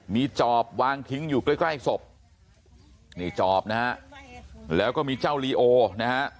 มีจอบวางทิ้งอยู่ใกล้สบนี่จอบนะครับแล้วก็มีเจ้าลีโอนะครับ